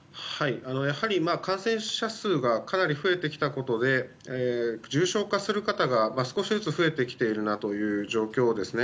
やはり感染者数がかなり増えてきたことで重症化する方が少しずつ増えてきているなという状況。